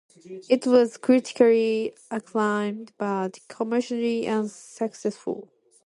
It was critically acclaimed but commercially unsuccessful.